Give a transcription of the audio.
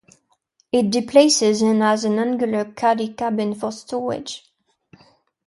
It displaces and has an angular cuddy cabin for stowage.